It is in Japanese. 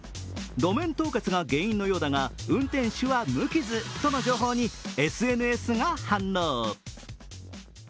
路面凍結が原因のようだが、運転手は無傷との情報にＳＮＳが反応。